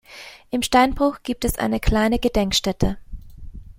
Im Steinbruch gibt es eine kleine Gedenkstätte.